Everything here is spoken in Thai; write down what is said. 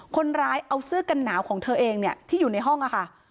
คนร้ายเอาเสื้อกันหนาวของเธอเองเนี่ยที่อยู่ในห้องค่ะ